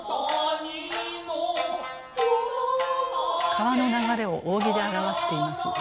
川の流れを扇で表しています。